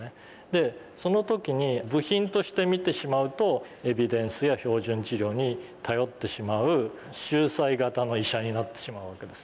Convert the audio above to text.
でその時に部品として見てしまうとエビデンスや標準治療に頼ってしまう秀才型の医者になってしまうわけですよね。